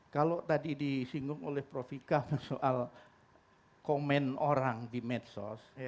kalau tadi disinggung oleh prof ikam soal komen orang di medsos